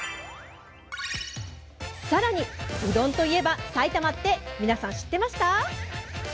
さらに、うどんといえば埼玉って皆さん知ってました？